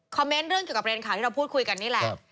เมนต์เรื่องเกี่ยวกับประเด็นข่าวที่เราพูดคุยกันนี่แหละ